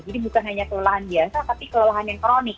jadi bukan hanya kelelahan biasa tapi kelelahan yang kronik